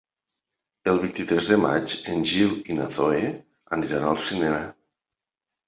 El vint-i-tres de maig en Gil i na Zoè aniran al cinema.